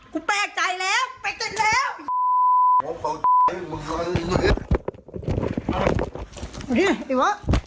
กูแปลกใจแล้วไอ้กูแปลกใจแล้วแปลกใจแล้ว